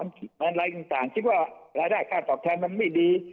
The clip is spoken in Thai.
เงินเดือนไม่พอมันไร้สารคิดว่ารายได้ค่าต่อแทนมันไม่ดี